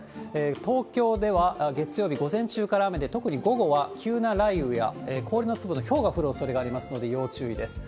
東京では月曜日午前中から雨で、特に午後は急な雷雨や、氷の粒のひょうが降るおそれがありますので要注意です。